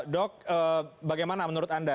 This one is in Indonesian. dok bagaimana menurut anda